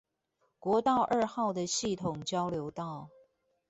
國道二號的系統交流道